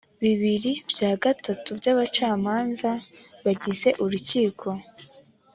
bibiri bya gatatu by abacamanza bagize urukiko